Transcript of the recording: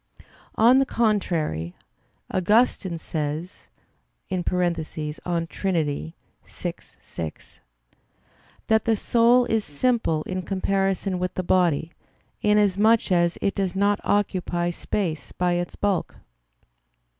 On the contrary, Augustine says (De Trin. vi, 6) that the soul "is simple in comparison with the body, inasmuch as it does not occupy space by its bulk."